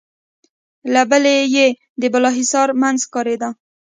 له بلې يې د بالاحصار مينځ ښکارېده.